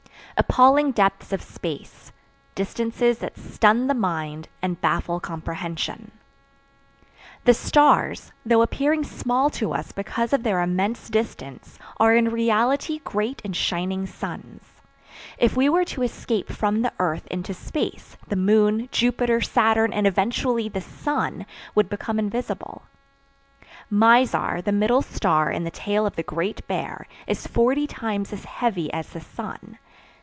APPALLING DEPTHS OF SPACE. Distances that Stun the Mind and Baffle Comprehension. "The stars," though appearing small to us because of their immense distance, are in reality great and shining suns. If we were to escape from the earth into space, the moon, Jupiter, Saturn, and eventually the sun would become invisible. Mizar, the middle star in the tail of the Great Bear, is forty times as heavy as the sun.